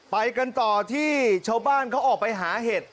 ไปกันต่อที่ชาวบ้านเขาออกไปหาเห็ด